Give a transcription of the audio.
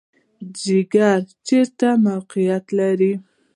ځیګر چیرته موقعیت لري؟